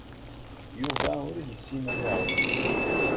Yuba ur yessin ad iɛum.